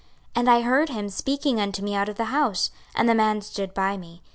26:043:006 And I heard him speaking unto me out of the house; and the man stood by me.